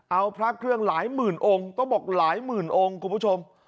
เอาพระเครื่องหลายหมื่นองค์ต้องบอกหลายหมื่นองค์คุณผู้ชม